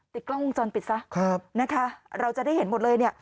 ติดกล้องวงจอดปิดซะเราจะได้เห็นหมดเลยเนี่ย